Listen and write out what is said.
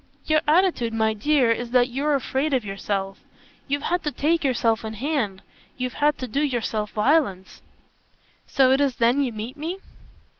"Your attitude, my dear, is that you're afraid of yourself. You've had to take yourself in hand. You've had to do yourself violence." "So it is then you meet me?"